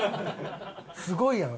すごいやろ。